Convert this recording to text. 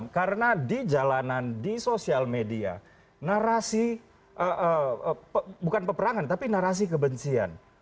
karena di jalanan di sosial media narasi bukan peperangan tapi narasi kebencian